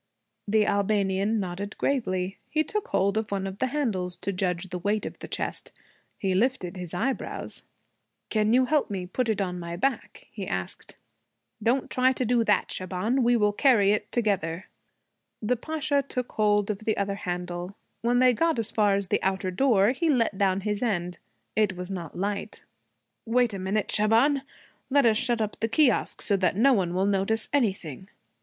The Albanian nodded gravely. He took hold of one of the handles, to judge the weight of the chest. He lifted his eyebrows. 'Can you help me put it on my back?' he asked. 'Don't try to do that, Shaban. We will carry it together.' The Pasha took hold of the other handle. When they got as far as the outer door he let down his end. It was not light. 'Wait a minute, Shaban. Let us shut up the kiosque, so that no one will notice anything.'